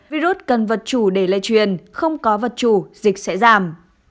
virus cần vật chủ để lây truyền không có vật chủ dịch sẽ giảm